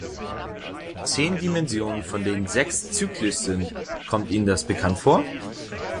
Zehn Dimensionen, von denen sechs zyklisch sind, kommt Ihnen das bekannt vor?